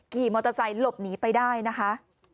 ขี่มอเตอร์ไซค์หลบหนีไปได้นะคะ